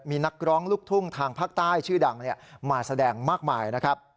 มีนักร้องลูกทุ่งทางภาคใต้ชื่อดังมาแสดงมากมายนะครับ